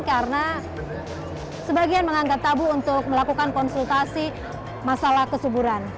karena sebagian menganggap tabu untuk melakukan konsultasi masalah kesuburan